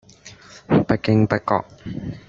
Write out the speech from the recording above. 不經不覺